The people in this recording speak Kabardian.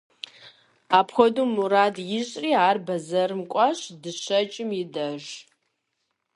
Апхуэдэу мурад ищӀри, ар бэзэрым кӀуащ дыщэкӀым и деж.